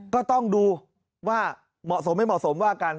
ก็ต้องดูว่าเหมาะสมไม่เหมาะสมว่ากัน